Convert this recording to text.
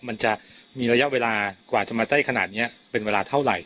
มันจะมีระยะเวลากว่าจะมาได้ขนาดนี้เป็นเวลาเท่าไหร่